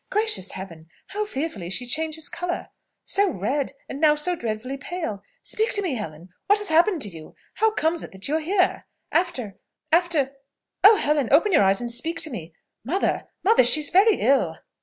Gracious Heaven, how fearfully she changes colour! So red, and now so deadly pale! Speak to me, Helen What has happened to you? How comes it that you are here? After Oh, Helen, open your eyes, and speak to me! Mother! mother! she is very ill!"